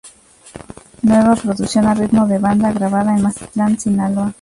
Nueva producción a ritmo de banda grabada en Mazatlán, Sinaloa.